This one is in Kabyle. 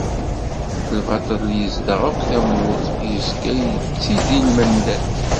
Lbaṭel yezdeɣ akk tamurt yezga yetti-d i lmendad.